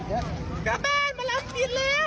กลับบ้านหมอลำปืดแล้ว